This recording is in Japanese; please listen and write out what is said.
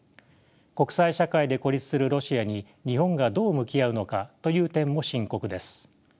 国際社会で孤立するロシアに日本がどう向き合うのかという点も深刻です。